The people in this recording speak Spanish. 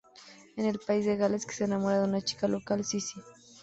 En País de Gales, que se enamora de una chica local, Sissy.